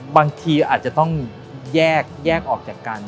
บางทีอาจจะต้องแยกออกจากกัน